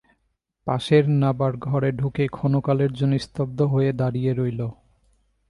পাশের নাবার ঘরে ঢুকে ক্ষণকালের জন্যে স্তব্ধ হয়ে দাঁড়িয়ে রইল।